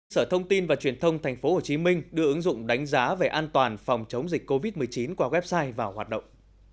sở thông tin và truyền thông tp hcm đưa ứng dụng đánh giá về an toàn phòng chống dịch covid một mươi chín qua website vào hoạt động